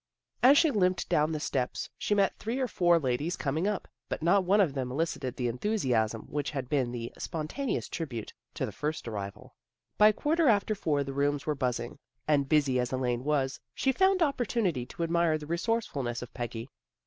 As she limped down the steps she met three or four ladies coming up, but not one of them elicited the enthusiasm which had been the spontaneous tribute to the first arrival. By quarter after four the rooms were buzzing, and busy as Elaine was, she found opportunity to admire the resourcefulness of Peggy.